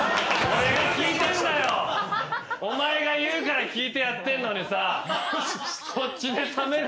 お前が言うから聞いてやってんのにさ。